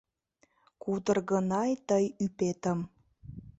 Кудыр гынай тый ӱпетым